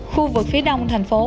khu vực phía đông thành phố